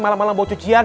malam malam bawa cucian